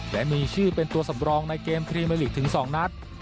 และมีชื่อเป็นตัวสำรองในเกมพรีเมอร์ลีกถึง๒นัด